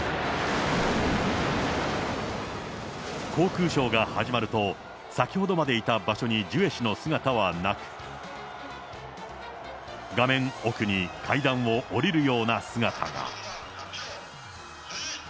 航空ショーが始まると、先ほどまでいた場所にジュエ氏の姿はなく、画面奥に階段を下りるような姿が。